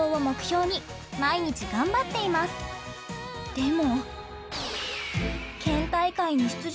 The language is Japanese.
「でも」。